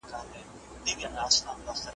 دی خپل چاودې لاسونه له یخنۍ څخه پټوي.